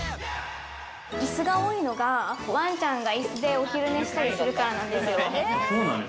いすが多いのがワンちゃんがいすでお昼寝したりするからなんですよ。